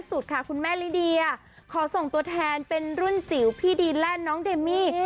สุดค่ะคุณแม่ลิเดียขอส่งตัวแทนเป็นรุ่นจิ๋วพี่ดีแลนด์น้องเดมมี่